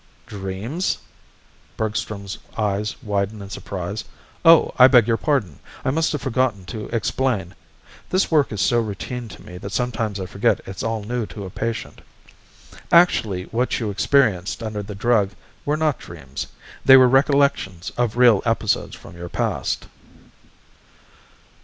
"Dreams?" Bergstrom's eyes widened in surprise. "Oh, I beg your pardon. I must have forgotten to explain. This work is so routine to me that sometimes I forget it's all new to a patient. Actually what you experienced under the drug were not dreams. They were recollections of real episodes from your past."